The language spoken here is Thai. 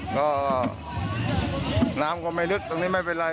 ก็น้ำก็ไม่ลึกตรงนี้ไม่เป็นไร